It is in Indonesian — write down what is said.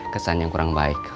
kesan yang kurang baik